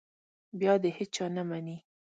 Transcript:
بیا د هېچا نه مني.